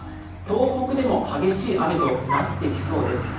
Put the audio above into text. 東北でも激しい雨となってきそうです。